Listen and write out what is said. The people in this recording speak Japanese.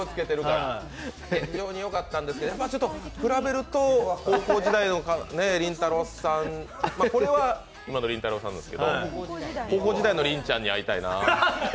非常によかったんですけど、比べると高校時代のりんたろーさん、これは今のりんたろーさんですが高校時代のりんちゃんに会いたいなぁ。